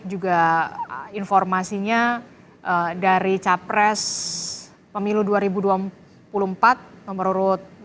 juga informasinya dari capres pemilu dua ribu dua puluh empat nomor urut dua